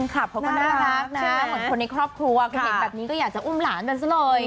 เทะแบบนี้ก็อยากจะอุ้มหลานกันซะเลย